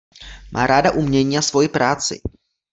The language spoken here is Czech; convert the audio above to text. Má ráda umění a svoji práci.